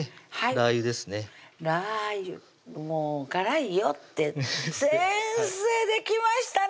ラー油もう辛いよって先生できましたね